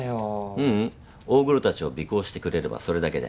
ううん大黒たちを尾行してくれればそれだけで。